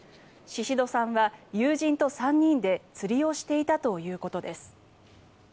宍戸さんは友人と３人で釣りをしていたということです。